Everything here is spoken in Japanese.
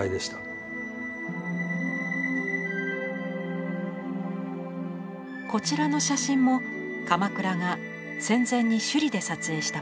こちらの写真も鎌倉が戦前に首里で撮影したものです。